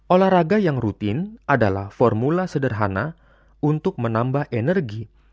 olahraga yang rutin adalah formula sederhana untuk menambah energi